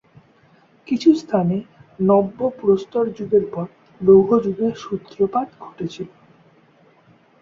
কিছু স্থানে, নব্য প্রস্তর যুগের পর লৌহ যুগের সূত্রপাত ঘটেছিল।